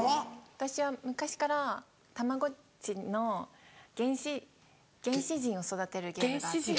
私は昔からたまごっちの原始人を育てるゲームがあって。